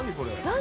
「何？